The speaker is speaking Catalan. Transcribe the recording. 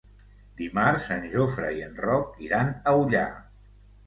Dimarts en Jofre i en Roc iran a Ullà.